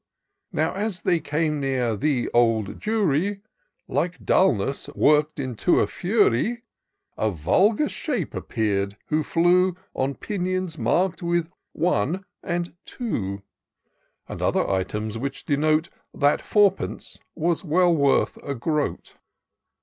Now, as they came near the Old Jewry, Like Dulness work'd into a Fury, A vulgar shape appear'd, who flew On pinions mark'd with One and Two ; IN SEARCH OF THE PICTURESaUE. 317 And other items, which denote That four pence is well worth a groat.